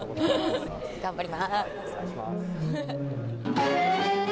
頑張ります。